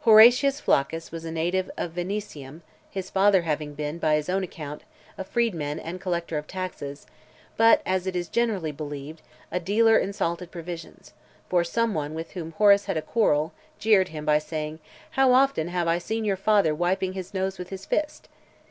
HORATIUS FLACCUS was a native of Venusium , his father having been, by his own account , a freedman and collector of taxes, but, as it is generally believed, a dealer in salted (541) provisions; for some one with whom Horace had a quarrel, jeered him, by saying; "How often have I seen your father wiping his nose with his fist?"